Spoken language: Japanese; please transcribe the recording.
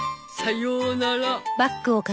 さようなら。